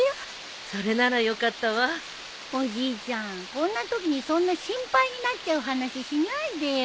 こんなときにそんな心配になっちゃう話しないでよ。